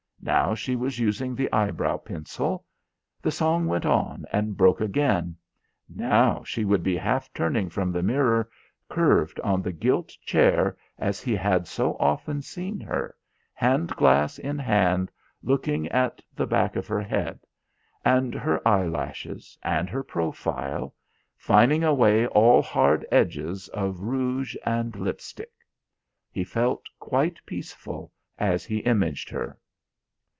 Now she was using the eyebrow pencil.... The song went on and broke again; now she would be half turning from the mirror, curved on the gilt chair as he had so often seen her, hand glass in hand, looking at the back of her head, and her eyelashes, and her profile, fining away all hard edges of rouge and lipstick. He felt quite peaceful as he imaged her.